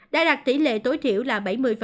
sáu mươi bốn hai đã đạt tỷ lệ tối thiểu là bảy mươi